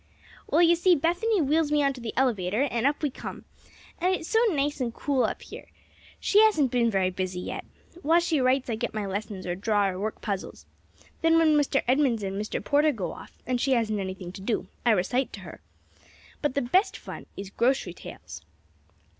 "Well, you see, Bethany wheels me onto the elevator, and up we come. And it's so nice and cool up here. She hasn't been very busy yet. While she writes I get my lessons, or draw, or work puzzles. Then, when Mr. Edmunds and Mr. Porter go off, and she hasn't anything to do, I recite to her. But the best fun is grocery tales."